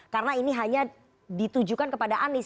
karena ini hanya ditujukan kepada anies